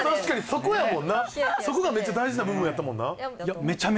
そこがめっちゃ大事な部分やったもんな。